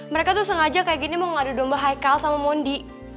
mereka tuh sengaja kayak gini mau ngadu domba haikal sama mondi